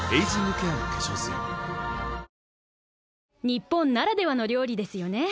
日本ならではの料理ですよね